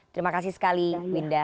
terima kasih sekali winda